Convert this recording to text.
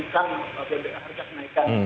bbm harga kenaikan bbm